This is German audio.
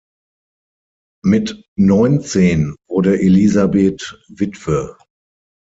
Mit neunzehn wurde Elisabeth Witwe.